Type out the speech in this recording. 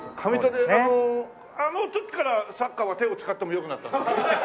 あの時からサッカーは手を使ってもよくなった？